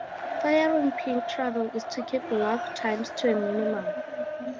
Firing pin travel is to keep lock times to a minimum.